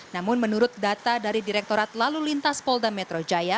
namun menurut data dari direktorat lalu lintas polda metro jaya